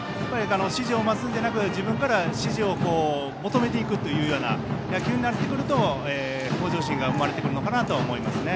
指示を待つんじゃなく自分から指示を求めにいくというような野球になってくると向上心が生まれてくるかなと思います。